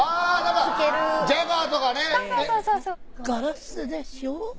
ガラスでしょう？